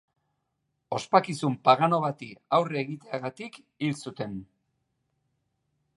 Ospakizun pagano bati aurre egiteagatik hil zuten.